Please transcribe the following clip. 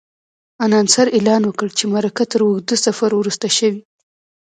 انانسر اعلان وکړ چې مرکه تر اوږده سفر وروسته شوې.